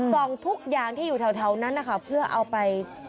ทุกอย่างที่อยู่แถวนั้นนะคะเพื่อเอาไป